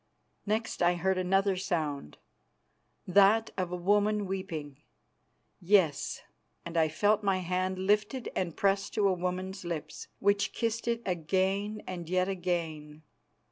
Next I heard another sound, that of a woman weeping; yes, and felt my hand lifted and pressed to a woman's lips, which kissed it again and yet again.